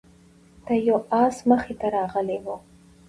د یو آس مخې ته راغلی و،